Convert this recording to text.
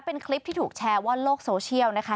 เป็นคลิปที่ถูกแชร์ว่าโลกโซเชียลนะคะ